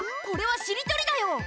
これはしりとりだよ！